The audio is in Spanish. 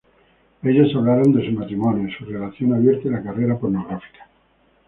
Ellos hablaron de su matrimonio, su relación abierta y la carrera pornográfica.